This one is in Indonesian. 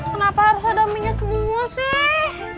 kenapa harus ada mienya semua sih